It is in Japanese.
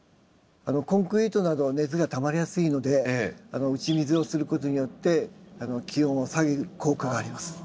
コンクリートなどは熱がたまりやすいので打ち水をすることによって気温を下げる効果があります。